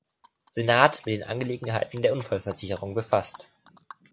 Senat mit den Angelegenheiten der Unfallversicherung befasst.